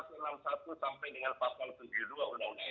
undang undang eksisting sesuai dengan keputusan panja kita